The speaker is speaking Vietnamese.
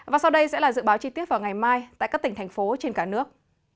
và sau đây sẽ là dự báo chi tiết vào ngày mai tại các tỉnh thành phố trên cả nước